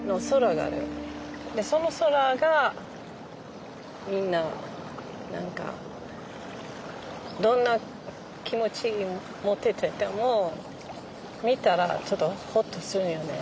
でその空がみんな何かどんな気持ち持ってても見たらちょっとほっとするんよね。